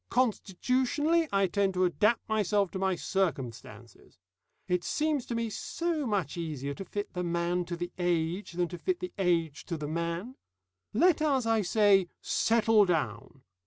Constitutionally, I tend to adapt myself to my circumstances. It seems to me so much easier to fit the man to the age than to fit the age to the man. Let us, I say, settle down.